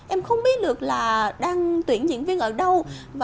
em không biết được là đang tuyển diễn viên ở đâu